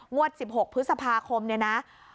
งวด๑๖พฤษภาคมเนี่ยนะ